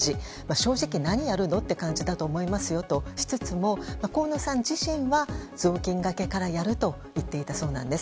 正直何やるの？って感じだと思いますよとしつつも河野さん自身は雑巾がけからやると言っていたそうなんです。